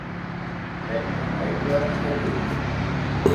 Prendre l'aigua de lluny.